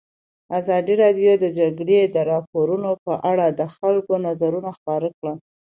ازادي راډیو د د جګړې راپورونه په اړه د خلکو نظرونه خپاره کړي.